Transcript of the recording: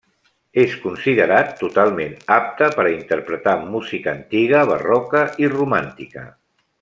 És considerat totalment apte per a interpretar música antiga, barroca i romàntica.